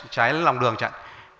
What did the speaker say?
trái lòng đường chẳng hạn